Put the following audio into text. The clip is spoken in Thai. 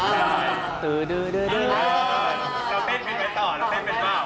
เราเต้นเป็นไปต่อเราเต้นเป็นเปล่า